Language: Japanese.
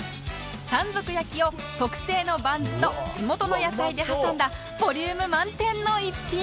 山賊焼を特製のバンズと地元の野菜で挟んだボリューム満点の一品